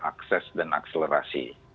akses dan akselerasi